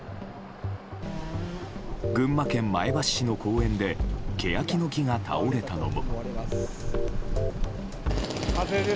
群馬県前橋市の公園でケヤキの木が倒れたのも。